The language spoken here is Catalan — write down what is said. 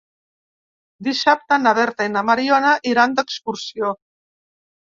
Dissabte na Berta i na Mariona iran d'excursió.